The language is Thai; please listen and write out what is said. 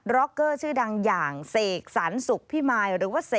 ล็อกเกอร์ชื่อดังอย่างเศกสรรสุขพี่มาย